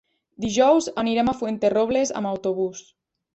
Dijous anirem a Fuenterrobles amb autobús.